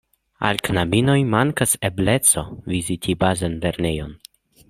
Al knabinoj mankas ebleco viziti bazan lernejon.